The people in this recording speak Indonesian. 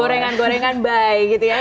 gorengan gorengan buy gitu ya